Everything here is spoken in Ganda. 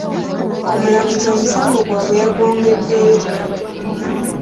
Omulamuzi omusango gwabwe yagwongeddeyo .